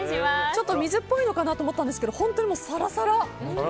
ちょっと水っぽいのかなと思ったんですけど本当にサラサラ。